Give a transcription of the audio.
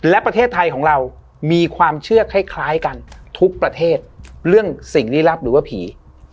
และประเทศไทยของเรามีความเชื่อคล้ายกันทุกประเทศเรื่องสิ่งลี้ลับหรือว่าผี